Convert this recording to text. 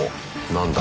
何だ？